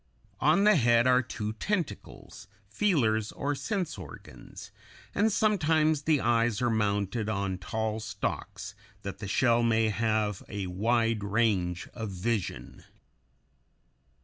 On the head are two tentacles, feelers or sense organs, and sometimes the eyes are mounted on tall stalks, that the shell may have a wide range of vision.